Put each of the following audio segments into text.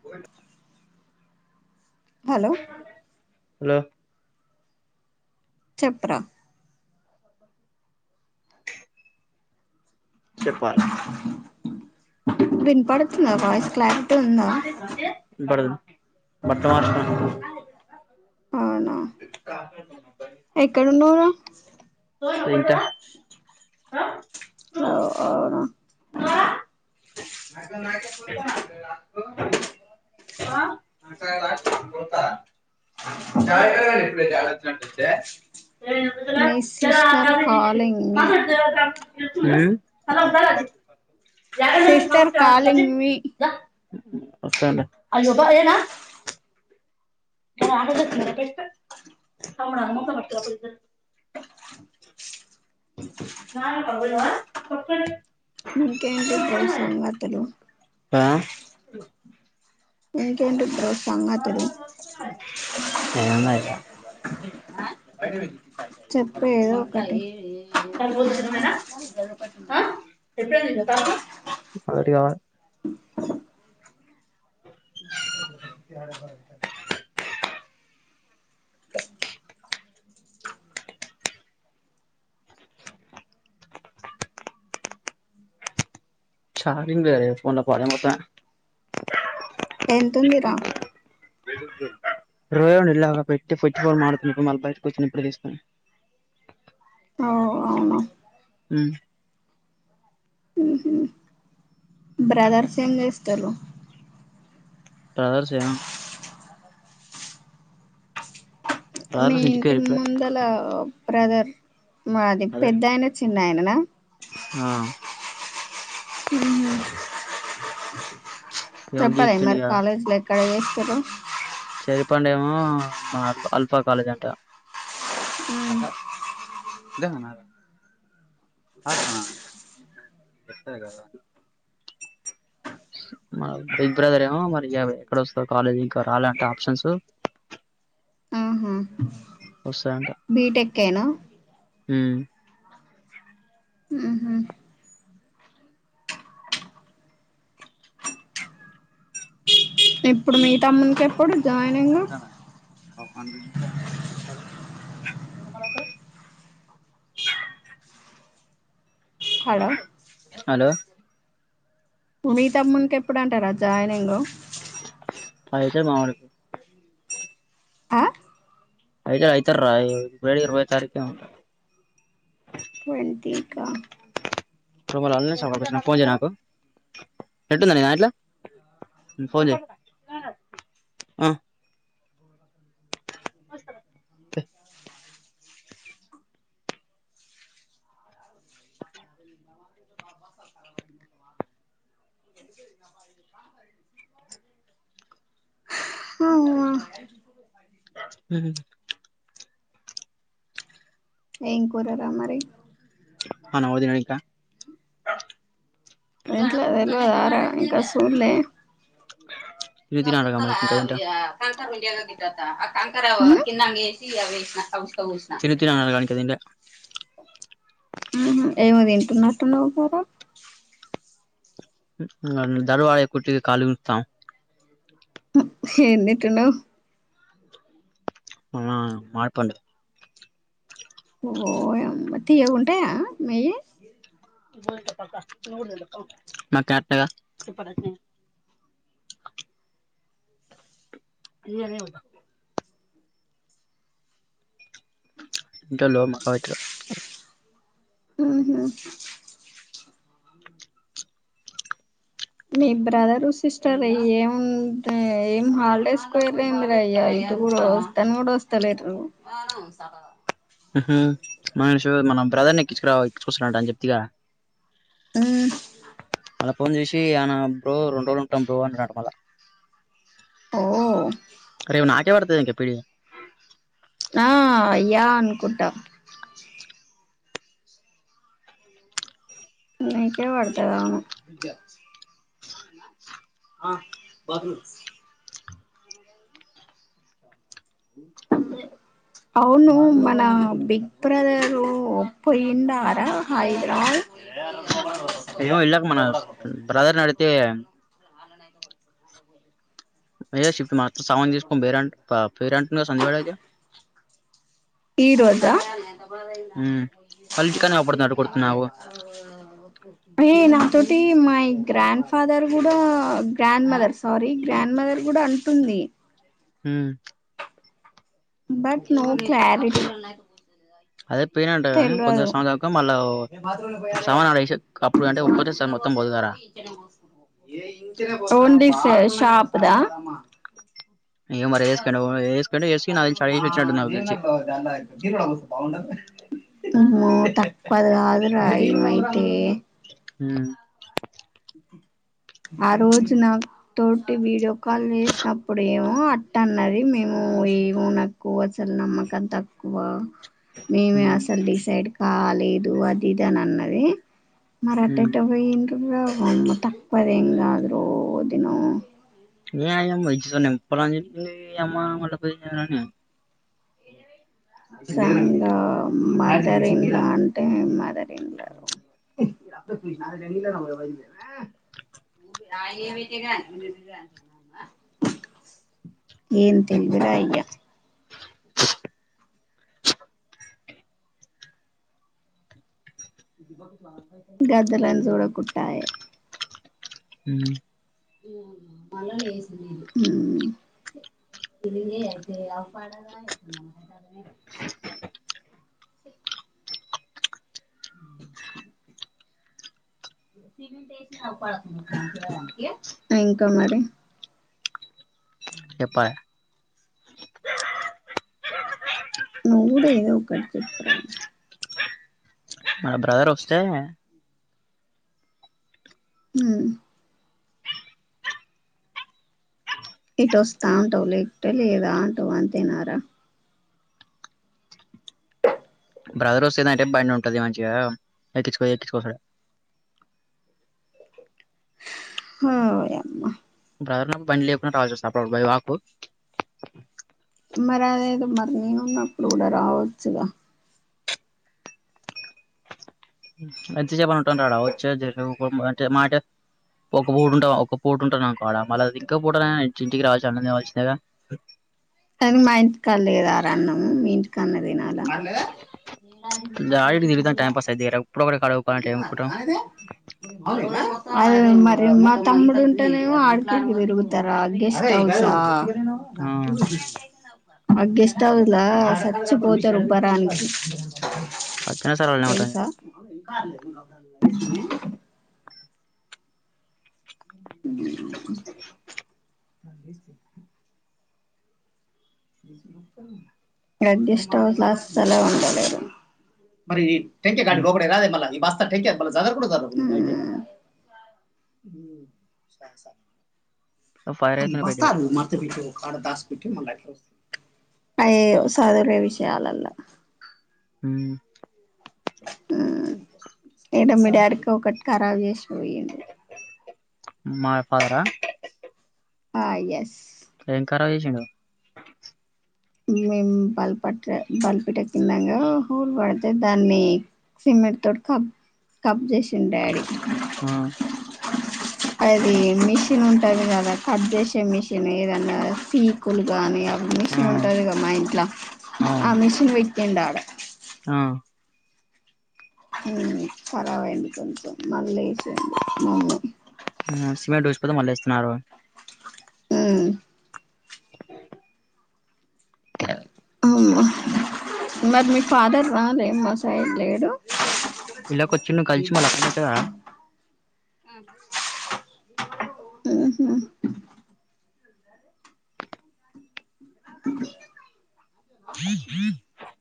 Phone hello hello చెప్ప్రా చెప్పాలి విన్పడుతుందా వాయ్స్ క్లార్ వినపడుతుంది అవునా కా ఎక్కడున్నావ్రా ఇంకా అవ్ అవును [unintelligible] రా రా పోతా యక్కడి ఇప్పుడు అంటచ్చ [unintelligible] [inaudible] మీ సిస్టర్ కాలింగ్ మీ ఉమ్ చాల ఉంటాల [unintelligible] [inaudible] సిస్టర్ కాలింగ్ మి వస్తానే అడగ మరపేప్ప తమును అ మూత్త మతు నా కబడువా పక్క [unintelligible] [inaudible] ఇంకేంటి బ్రో సంగతలు ఆ ఇంకేంటి బ్రో మన సంగతులు ఏముందక అఐవజ [unintelligible] [inaudible] చెప్పేదోకటి తర్పోదు చి సినిమేనా ఆ ఎప్పుడ అరి వా [unintelligible] [inaudible] చార్జింగ్ లేదే ఫోన్ లో పాడే మొత్తం ఎంతుందిరా రోయండి ఇలా పెట్టి ఫ ఫో మడుతుప్పుడు మళ్ళీ బయటకు వచ్చని ఇప్పుడుే తీస్తాను ఓ అవునా ఉమ్ ఉహు బ్రదర్స్ ఏం చేస్తారు బ్రదర్స్ ఏమో బ్రదర్స్ ఇంటి ఇంటికిరు ఇప్పుడే ముందల బ్రదర్ మాది అదే పెద్ద ఆయన చిన్న ఆయననా ఆ ఏమో చెప్పాలే గీక్తుండు మరి ఇక కాలేజ్ లైఫ కడిగేస్తారు చెరిపండు ఏమో మా అల్ఫా కాలేజ్ అంట మన బిగ్ బ్రదర్ ఏమో మరి ఎక్కడ వస్తారు కాలేజీ ఇంకా రాలంటే ఆప్షన్స్ బి టెక్ ఏనా ఉమ్ ఉహూ ఎప్పుడు మీ తమ్మునికి ఎప్పుడు జాయినింగ్ ట ఎ హలో హలో మీతమ్మునీకి ఎప్పుడు అంటారా జాయిన్ంగ్ పైస మమకు ఆ ఐతే అయితార వళ ఇరవై తారీకుు ట్వంటీ కా ఫోన్ నాకుందట్లా ఫోన్ హ అ హ ఏం కూరార మరి ఆ నాకు తెల్వదు అక్క రజ వెరు ఆర ఇంకా సూర్లే హహ అగ చాల కత ఆ కంకర్ కిందంగా వేసి చిన్న త చిన్నలా కనికదం ఏమో తింటున్నట్టున్నావు గారా దారువడకుకి కళ ఉంటతాం ఏం తింటున్నావ్ అదా మామిడిపండు ఓయమ్మ తియ్యగుంటాయా మీవి మ ఇ అనే ఉతా ఇకా లో మాక్క వయిట ఆహా మీ బ్రదరు సిస్టర్ ఏం ఏం హాలిడేస్కి పోయిరా అయ్యా ఇది కూడా వస్తను కూడా వస్తలేదు. హ హ మనుషు మన బ్రదర్ని ఎక్కించుకురా ఎక్కించుకునిరా అని చెప్తివి గా ఉ మళ్ళ ఫోన్ చేసి ఆయన బ్రో రెండు రోజులు ఉంటాం బ్రో అంటున్నాడు మళ్ళ ఓ రేపు నాకే పడుతుందంట పిడి నా య్యా అనుకుంట నీకే పడుతాది అవును ఆ బాత్ రూమ్ అవును మన బిగ్ బ్రదరు ఒపోయిండార హైదరాబాద్ అయ్యో ఇళ్ళ కు మన సర్ నడిత కే అయ్య శి మా సౌండ్ తీసుకొని బేరంట్ పేరంట్ సంధ్య కాడ అయితే ఈరోజ పది ఉమ్ వాళ్ళ ఇంటికాన్నే అవుపడుతున్నట్టు కొడుతున్నావు అయ్యిందా అయినా ఒకోటి మాగ్రాండ్ ఫాదర్ కూడా grandmother sorry grandmother కూడా అంటుంది హు బట్ నో క్లారిటీ అదే పోయినంట కానీ పొద్దున తెల్వదు సాయంత్రం దాకా మళ్ళా సామాన్ ఆడ ఏసి అప్పుడు అంటే ఒక్కటే సారి మొత్తం పోదుగారా ఓన్లీ సే టాప్ అదా ఇగ మరి ఆ ఏసుకుండు ఏసుకుండు ఏసి నాకు తెలిసి బాత్రూం ఆడేసి వచ్చినట్టు నాకు తెలిసి లో దేవనాలా తీరుస్త బాగుండ ఆ తప్పదు గాదురా ఇమైతే హ్మ్ ఆ రోజు నా తోటి వీడియో కాల్ చేసినప్పుడు ఏమో అట్ట అన్నది. మేము ఏమో నాకు అసలు నమ్మకం తక్కువ. మేమే ఉమ్ అసలు డిసైడ్ కాలేదు అది ఇది అని అన్నది ఉమ్ మరాట్టఅటెట్ట పోయింది హువుమ్ తా పదేండ్లు ఆగురో ఒదినో న అయమ్మ ఎప్పు అమ్మ మళ్ళ పోయి నని ప్రంగా మదర్ ఇన్ లా అంటే మదర్ ఇంలా ఏ తెందురా అయ్యా గదలన్స చూడ కుట్టాయ ఏ హు మళలు వేసిరు ఇదియితే మాచెతనే కాదు ఇంకా మరి చెప్పలి నువ్వు కూడా ఏదో ఒకటి చెప్పురా మన బ్రదర్ వస్తే హు ఇటు వస్తా ఉంటావు లేకుట లేదా అంటావు అంతేనారా బ్రదర్ వస్తే ఏదంటే బండి ఉంటుది మంచిగా ఎక్కించుకో ఎక్కించుకోస హ యమ్మ బ్రదర్ ఉన్నప్పుడు బండి లేకపోయిన కాల్ చేసా అపుడప్పుడు భై వాకు మరి అదేది మరి నేను ఉన్నప్పుడు కూడా రావచ్చుగా ఎంత సెప్పని ఉంటాంటడా వచ్చేంటే మాట ఒక పూట ఉంటా ఒక పూట ఉంటాను అకోడ మళ్ళ ఇంక పూట ఇ ఇంటికి రావచ్చు అన్నం తినవాలిసిందేగా కానీ మా ఇంటికా లేదా రా ఆన్నం మీ ఇంటికాన్న తినాలా ఆడికి తిరుగుతాం టైం పాస్ అయిద్ది ఎప్పుడు ఒకటి కాడ కూకోవాలంటే ఏం అ కూకుంటాం అదే మరి మా తమ్ముడు ఉంటేనేమో ఆడికడికి తిరుగుతారా గెస్ట్ హౌస్ ఆ ఆ అ గెస్ట్ హౌస్ లాగా సచ్చ పోతు రుపరా అండ్ సచ్చినా సరే వాళ్ళనే ఉంటాం ఇగ తెలుసా వాళ్ళు ఆమ్ ఉమ్ రెడ్డిస్టల్ అసలే ఉండలేరు మరీ టెంకే గాడి రోకడె నా మల్లా బస్ టేక్ కేర్ మన సాగర్ కూడా ఉన్నారు ఫైర్ అయితునే పోయిద్ది బస్తాలు ఆడికి మార్తలు హాస్పిటల్ కు వెళ్ళండి అయ్యాయో చదువు లేదు ఇ విషయాలలో ఉమ్ ఉమ్ ఏడ మీ డాడీ కూకటి కారాబూ చేసిండు పోయండు మా ఫాదర్ ఆ ఆ ఎస్ ఏం కా పాడు చేసిండు మేము బల్పట్ట బల్పిట కిన్నాంగా హోల్ పడితే దాన్ని సిమెంట్ తోటి కబ్ కబ్ చేసిండు డాడీ ఆ అది మిషన్ ఉంటది కదా కట్ చేసే మిషన్ ఏదన్నా పీకులు గానీ అ ఆ ఉంటాదిగా మా ఇంట్లా ఆ అవును మషన్ పెట్టిందాడ ఆ హమ్ కార్బ్ అయింది కొంచెం మళ్లీ లేషిండు ఉమ్ సిమెంట్ ఊసిపోతే మల్లీ ఏస్తున్నారు ఉమ్ ఉమ్ మరి మీ ఫాదర్ రారెమో సైడ్ లేడు ఇలా కొచును కలిసి మళ్ళ అక్క నొచ్చావా హమ్మ్ [inaudible]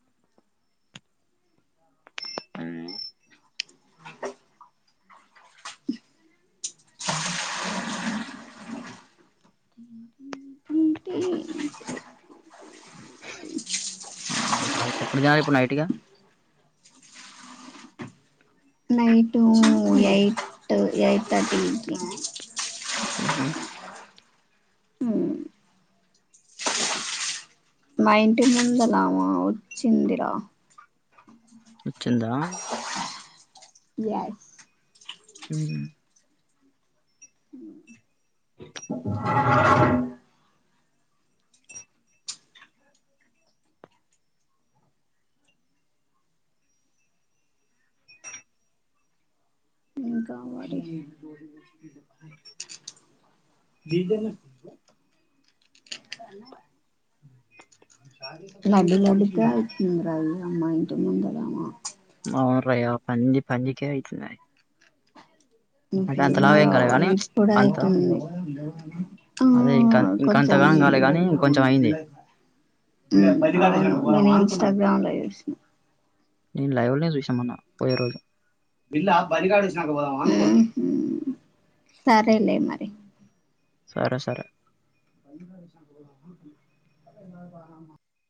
హుహు ఆహా ఇప్పుడు దినాలి ఇప్పుడు నైట్ ఇగ [inaudible] నైటూ ఎయిట్ ఎయిట్ తర్టీకి హమ్మ్ హమ్ మా ఇంటి ముందలామా వచ్చిందిరా వచ్చిందా యాస్ హమ్ హమ్ [inaudible] [inaudible] ఇంకా మరి [inaudible] లడ్డు లడ్డుగా ఉంటాది మా ఇంటి ముందర ఆమె మవు రయు పంది పంది కే తింటున్నది గానీ [inaudible] అంత ఇపుడిపోయింది [inaudible] అదే ఇంకా ఆ కొంచం ఇంకంతగానం కాలే గాని హమ్ ఇంకొంచెం అయింది అవును నీ ఇంస్టాగ్రామ్ లో చూసినా నేను లైవ్లోనే చూసా మొన్న పోయే రోజు హమ్మ్ సరేలే మరి సరే సరే [inaudible]